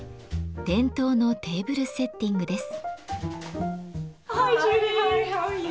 伝統のテーブルセッティングです。